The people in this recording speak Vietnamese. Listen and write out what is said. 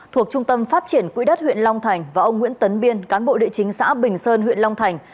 thuộc trung tâm phát triển quỹ đất huyện long thành và ông nguyễn tấn biên cán bộ địa chính xã bình sơn huyện long thành